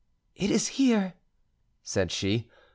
"It is here," said she.